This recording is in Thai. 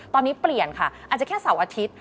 ตอนนี้เปลี่ยนค่ะอาจจะแค่เสาร์อาทิตย์